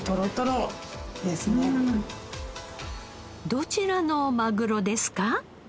どちらのマグロですか？